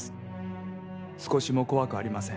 少しも怖くありません